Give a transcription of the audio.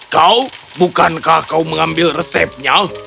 kau bukankah kau mengambil resepnya